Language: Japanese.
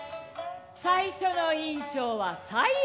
最初の印象は最悪。